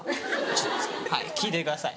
ちょっと聞いてください。